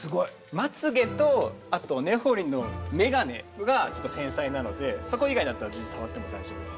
まつげとあとねほりんの眼鏡がちょっと繊細なのでそこ以外だったら触っても大丈夫です。